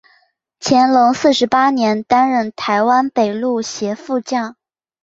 乾隆四十八年担任台湾北路协副将。